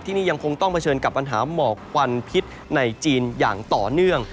ที่นี่ยังคงต้องเผชิญกับปัญหาหมอกควันพิษในจีนอย่างต่อเนื่อง